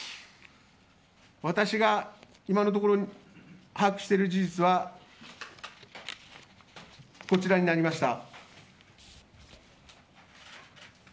私が今のところ把握している事実はこちらになりました。